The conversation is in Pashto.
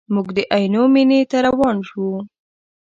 موږ د عینو مینې ته روان شوو.